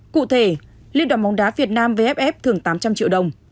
cụ thể liên đoàn bóng đá việt nam vff thưởng tám trăm linh triệu đồng